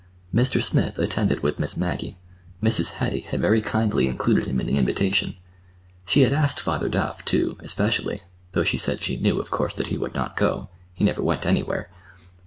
Mr. Smith attended with Miss Maggie. Mrs. Hattie had very kindly included him in the invitation. She had asked Father Duff, too, especially, though she said she knew, of course, that he would not go—he never went anywhere.